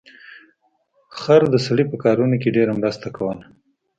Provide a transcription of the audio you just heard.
خر د سړي په کارونو کې ډیره مرسته کوله.